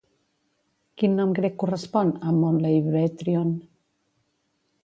Quin nom grec correspon a Mont Leibetrion?